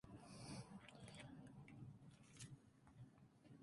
Los rasgos fenotípicos cuentan con rasgos tanto físicos como conductuales.